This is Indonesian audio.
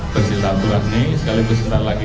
bersilatuan ini sekalipun sebentar lagi